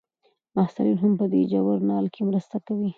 محصلین هم په دې ژورنال کې مرسته کوي.